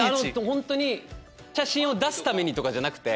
本当に写真を出すためにとかじゃなくて。